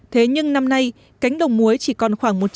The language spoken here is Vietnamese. thế nhưng năm nay cánh đồng muối chỉ còn khoảng một trăm linh